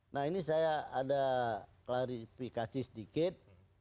nah ini saya ada klarifikasi sedikit